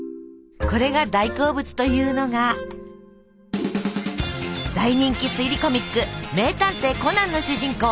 これが大好物というのが大人気推理コミック「名探偵コナン」の主人公